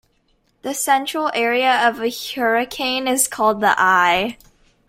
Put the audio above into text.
The central area of a hurricane is called the eye